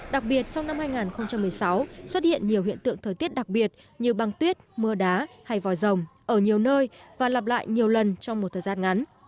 đặc biệt trong năm hai nghìn một mươi sáu xuất hiện nhiều hiện tượng thời tiết đặc biệt như băng tuyết mưa đá hay vòi rồng ở nhiều nơi và lặp lại nhiều lần trong một thời gian ngắn